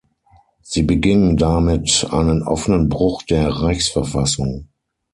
Sie beging damit einen offenen Bruch der Reichsverfassung.